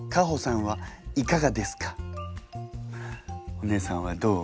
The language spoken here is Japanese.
お姉さんはどう？